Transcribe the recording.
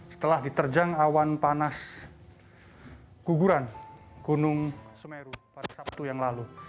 setelah diterjang awan panas guguran gunung semeru pada sabtu yang lalu